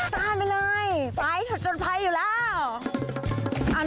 ทางนี้แหละ